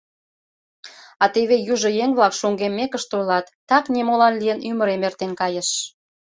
А теве южо еҥ-влак шоҥгеммекышт ойлат: «Так, нимолан лийын, ӱмырем эртен кайыш».